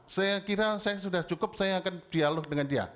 saya kira saya sudah cukup saya akan dialog dengan dia